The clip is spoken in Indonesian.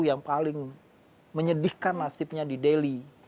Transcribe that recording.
yang menyedihkan nasibnya di delhi